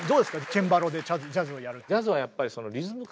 チェンバロでジャズをやる。